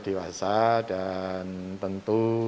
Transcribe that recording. dewasa dan tentu